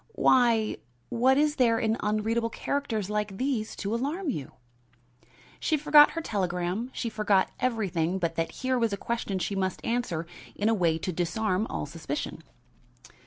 "Why, what is there in unreadable characters like these to alarm you?" She forgot her telegram, she forgot everything but that here was a question she must answer in a way to disarm all suspicion.